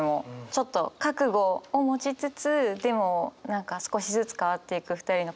ちょっと覚悟を持ちつつでも何か少しずつ変わっていく２人の関係性